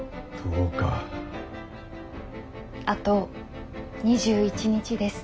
あと２１日です。